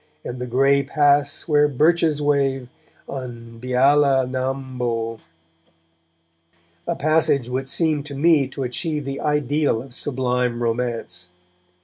And the grey pass where birches wave, On Beala nam bo, a passage which seemed to me to achieve the ideal of sublime romance.